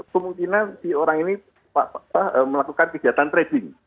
kemungkinan si orang ini melakukan kegiatan trading